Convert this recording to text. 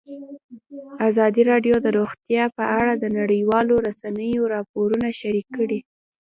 ازادي راډیو د روغتیا په اړه د نړیوالو رسنیو راپورونه شریک کړي.